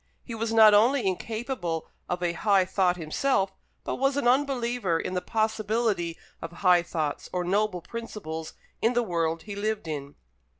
He was not only incapable of a high thought himself, but was an unbeliever in the possibility of high thoughts or noble principles in the world he lived in.